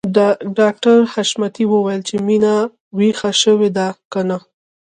ډاکټر حشمتي وويل چې مينه ويښه شوې ده که نه